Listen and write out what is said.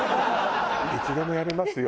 いつでもやりますよ